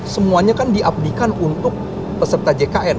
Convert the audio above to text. semuanya kan diabdikan untuk peserta jkn